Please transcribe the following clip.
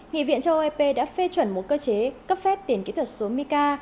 nghị viện cho oip đã phê chuẩn một cơ chế cấp phép tiền kỹ thuật số mica